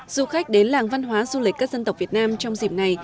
du khách đến làng văn hóa du lịch các dân tộc việt nam trong dịp này